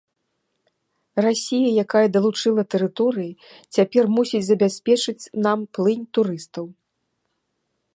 Расія, якая далучыла тэрыторыі, цяпер мусіць забяспечыць нам плынь турыстаў.